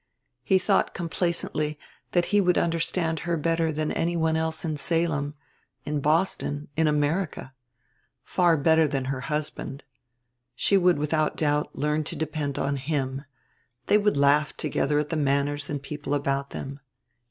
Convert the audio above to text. He thought complacently that he would understand her better than anyone else in Salem, in Boston, in America; far better than her husband. She would without doubt learn to depend on him: they would laugh together at the manners and people about them.